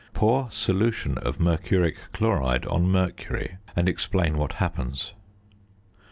Pour solution of mercuric chloride on mercury and explain what happens.